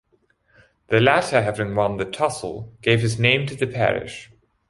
The latter having won the tussle gave his name to the parish.